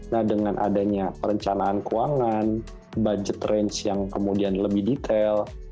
nah dengan adanya perencanaan keuangan budget range yang kemudian lebih detail